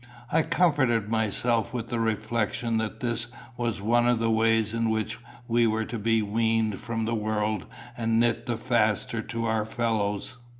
I comforted myself with the reflection that this was one of the ways in which we were to be weaned from the world and knit the faster to our fellows.